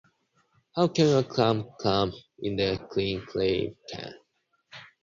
How can a clam cram in a clean cream can?